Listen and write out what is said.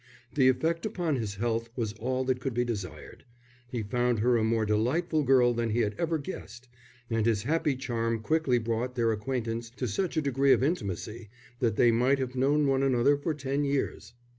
The effect upon his health was all that could be desired. He found her a more delightful girl than he had ever guessed; and his happy charm quickly brought their acquaintance to such a degree of intimacy that they might have known one another for ten years.